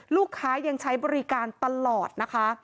ลูกค้ายังใช้บริการตลอดนะคะ